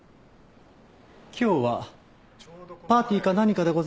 今日はパーティーか何かでございますか？